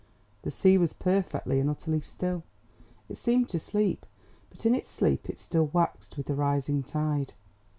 The sea was perfectly and utterly still. It seemed to sleep, but in its sleep it still waxed with the rising tide.